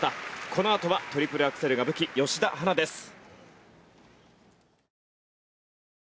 このあとはトリプルアクセルが武器吉田陽菜です。